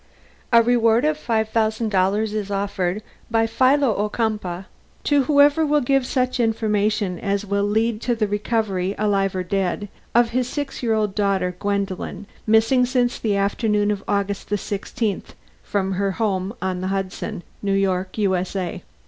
_ A reward of five thousand dollars is offered, by Philo Ocumpaugh, to whoever will give such information as will lead to the recovery, alive or dead, of his six year old daughter, Gwendolen, missing since the afternoon of August the 16th, from her home in on the Hudson, New York, U. S. A.